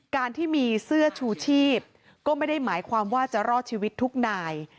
การที่มีเสื้อชูชีพก็ไม่ได้หมายความว่าจะรอดชีวิตทุกนาย